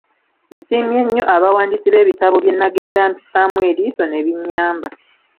Nsiimye nnyo abawandiisi b'ebitabo bye nnagendanga mpisaamu eriiso ne binnyamba.